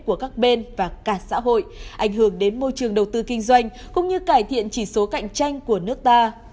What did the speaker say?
của các bên và cả xã hội ảnh hưởng đến môi trường đầu tư kinh doanh cũng như cải thiện chỉ số cạnh tranh của nước ta